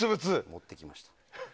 持ってきました。